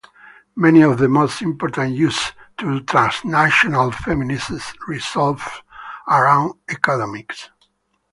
Many of the most important issues to transnational feminists revolve around economics.